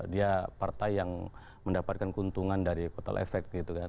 dia partai yang mendapatkan keuntungan dari kotel efek gitu kan